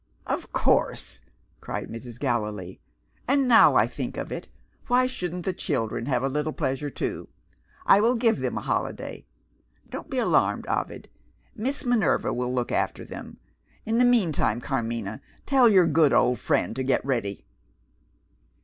"Of course!" cried Mrs. Gallilee. "And, now I think of it, why shouldn't the children have a little pleasure too? I will give them a holiday. Don't be alarmed, Ovid; Miss Minerva will look after them. In the meantime, Carmina, tell your good old friend to get ready."